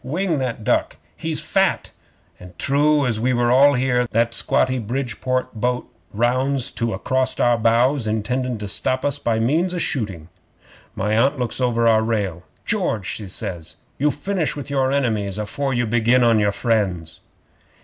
Wing that duck. He's fat!" An' true as we're all here, that squatty Bridport boat rounds to acrost our bows, intendin' to stop us by means o' shooting. 'My Aunt looks over our rail. "George," she says, "you finish with your enemies afore you begin on your friends."